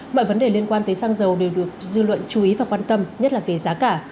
mọi vấn đề liên quan tới xăng dầu đều được dư luận chú ý và quan tâm nhất là về giá cả